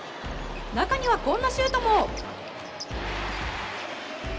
中にはこんなシュートも。